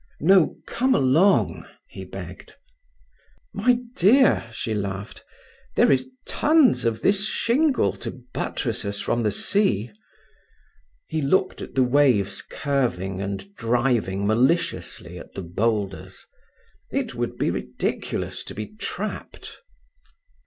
"No, come along," he begged. "My dear," she laughed, "there is tons of this shingle to buttress us from the sea." He looked at the waves curving and driving maliciously at the boulders. It would be ridiculous to be trapped.